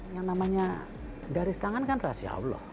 yang namanya dari setangan kan rasya allah